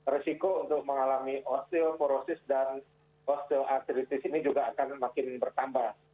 resiko untuk mengalami osteoporosis dan osteoartritis ini juga akan makin bertambah